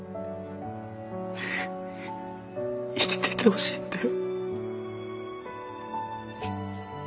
生きててほしいんだ。